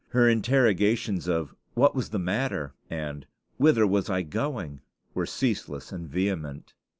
Her interrogations of "What was the matter?" and "Whither was I going?" were ceaseless and vehement.